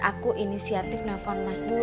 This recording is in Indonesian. aku inisiatif nelfon musk dulu